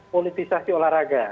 politisasi olahraga ya